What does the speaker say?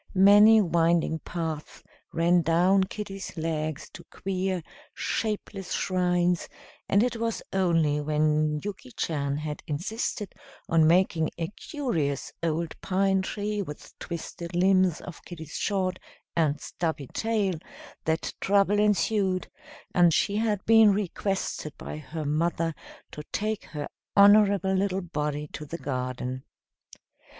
Many winding paths ran down kitty's legs to queer, shapeless shrines, and it was only when Yuki Chan had insisted on making a curious old pine tree with twisted limbs of kitty's short and stubby tail that trouble ensued, and she had been requested by her mother to take her honorable little body to the garden.